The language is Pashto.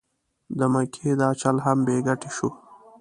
د مکۍ دا چل هم بې ګټې شو.